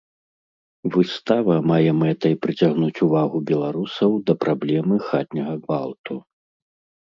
Выстава мае мэтай прыцягнуць увагу беларусаў да праблемы хатняга гвалту.